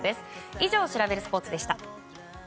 以上シラベルスポーツ！でした。